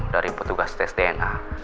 dari petugas tes dna